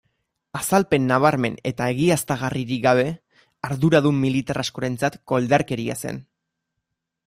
Azalpen nabarmen eta egiaztagarririk gabe, arduradun militar askorentzat koldarkeria zen.